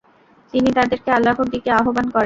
তিনি তাদেরকে আল্লাহর দিকে আহ্বান করেন।